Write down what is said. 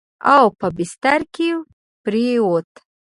او په بستره کې پرېووت.